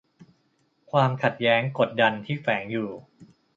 ความขัดแย้งกดดันที่แฝงอยู่